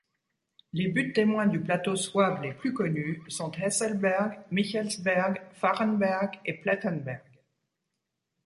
Les buttes-témoins du plateau souabe les plus connues sont Hesselberg, Michelsberg, Farrenberg et Plettenberg.